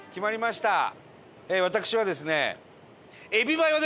私はですね。